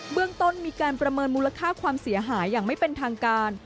เรื่องต้นมีการประเมินมูลค่าความเสียหายอย่างไม่เป็นทางการ